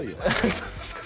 そうですか